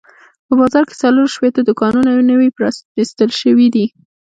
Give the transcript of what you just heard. په بازار کې څلور شپېته دوکانونه نوي پرانیستل شوي دي.